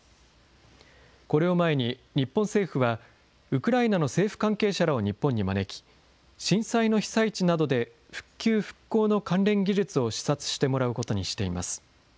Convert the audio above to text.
これを前に、日本政府はウクライナの政府関係者らを日本に招き、震災の被災地などで、復旧・復興の関連技術を視察してもらうことにしています。